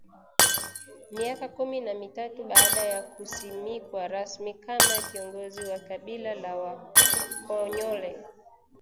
Miaka kumi na mitatu baada ya kusimikwa rasmi kama kiongozi wa kabila la Wakonyole